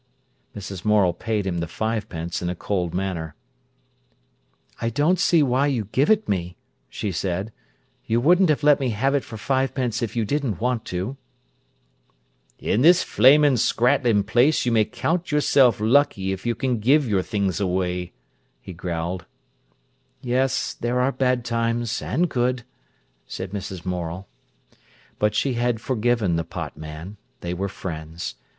Mrs. Morel paid him the fivepence in a cold manner. "I don't see you give it me," she said. "You wouldn't let me have it for fivepence if you didn't want to." "In this flamin', scrattlin' place you may count yerself lucky if you can give your things away," he growled. "Yes; there are bad times, and good," said Mrs. Morel. But she had forgiven the pot man. They were friends.